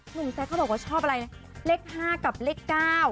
แจ๊คเขาบอกว่าชอบอะไรเลข๕กับเลข๙